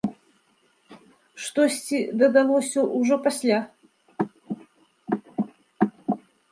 Штосьці дадалося ўжо пасля.